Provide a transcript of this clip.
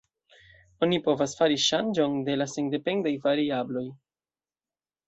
Oni povas fari ŝanĝon de la sendependaj variabloj.